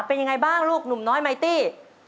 เป็นยังไงบ้างลูกหนุ่มน้อยไมตี้